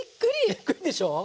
びっくりでしょう？